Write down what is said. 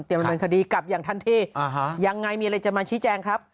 เตรียมบริเวณคดีกลับอย่างทันที่ยังไงมีอะไรจะมาชี้แจงครับ